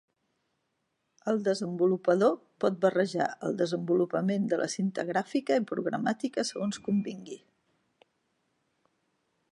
El desenvolupador pot barrejar el desenvolupament de la cinta gràfica i programàtica segons convingui.